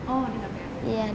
oh di hp ayah